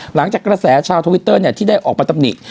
หลังจากกระแสชาวทวิตเตอร์เนี่ยที่ได้ออกประตับหนิ